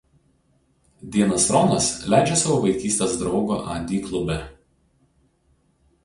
Dienas Ronas leidžia savo vaikystės draugo Adi klube.